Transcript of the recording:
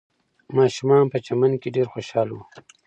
ماشومان په چمن کې ډېر خوشحاله وو.